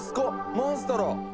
モンストロ！